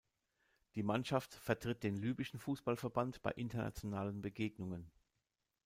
Die Mannschaft vertritt den Libyschen Fußballverband bei internationalen Begegnungen.